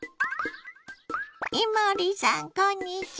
伊守さんこんにちは。